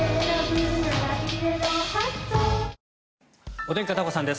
お天気、片岡さんです。